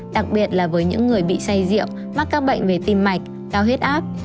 đặc biệt là với những người bị say rượu mắc các bệnh về tim mạch cao huyết áp